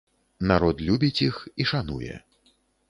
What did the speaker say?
Народ любіць іх і шануе.